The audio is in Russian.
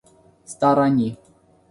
стороны